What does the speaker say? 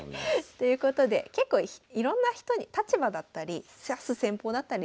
ということで結構いろんな人に立場だったり指す戦法だったりして。